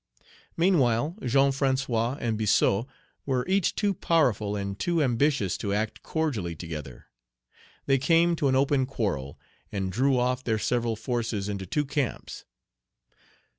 Meanwhile, Jean François and Biassou were each too powerful and too ambitious to act cordially together. They came to an open quarrel, and drew off their several forces into two camps.